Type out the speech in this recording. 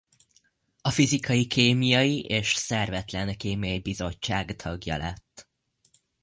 A Fizikai-Kémiai és Szervetlen Kémiai Bizottság tagja lett.